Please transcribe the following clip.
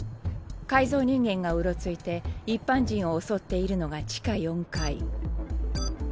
改造人間がうろついて一般人を襲っているのが地下４階。